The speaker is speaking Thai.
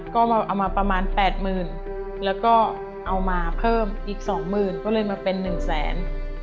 ก็เอามาประมาณ๘๐๐๐๐บาทแล้วก็เอามาเพิ่มอีก๒๐๐๐๐บาทก็เลยมาเป็น๑๐๐๐๐๐บาท